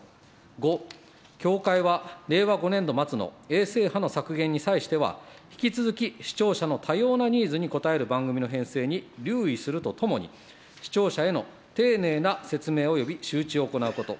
５、協会は、令和５年度末の衛星波の削減に際しては、引き続き視聴者の多様なニーズに応える番組の編成に留意するとともに、視聴者への丁寧な説明および周知を行うこと。